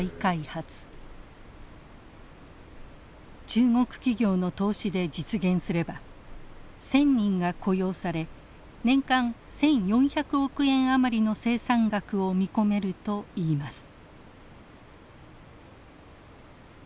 中国企業の投資で実現すれば１，０００人が雇用され年間１，４００億円余りの生産額を見込めるといいます。